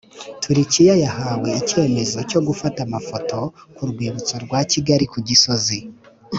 Turikiya yahawe icyemezo cyo gufata amafoto ku rwibutso rwa Kigali ku Gisozi